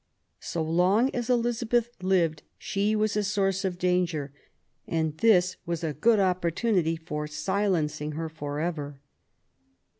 So long as Elizabeth lived she was a source of danger, and this was a good opportunity for silencing her for ever.